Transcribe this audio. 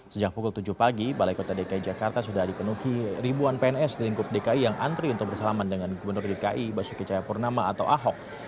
sejak pukul tujuh pagi balai kota dki jakarta sudah dipenuhi ribuan pns di lingkup dki yang antri untuk bersalaman dengan gubernur dki basuki cahayapurnama atau ahok